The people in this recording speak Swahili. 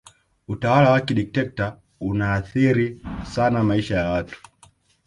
utawala wa kidikiteta unaathiri sana maisha ya watu